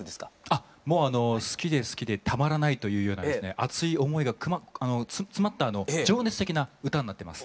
あっもう好きで好きでたまらないというようなですね熱い思いが詰まった情熱的な歌になってます。